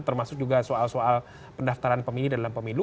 termasuk juga soal soal pendaftaran pemilih dalam pemilu